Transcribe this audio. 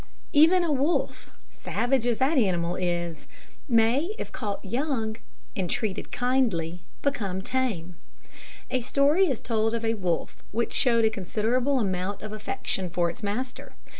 Even a wolf, savage as that animal is, may, if caught young, and treated kindly, become tame. A story is told of a wolf which showed a considerable amount of affection for its master.